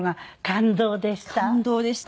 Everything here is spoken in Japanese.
「感動でした」